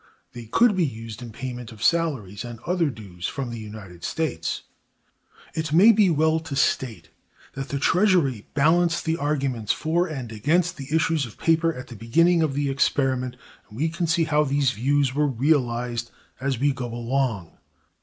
They could be used in payment of salaries and other dues from the United States. It may be well to state that the Treasury balanced the arguments for and against the issues of paper at the beginning of the experiment, and we can see how these views were realized as we go along.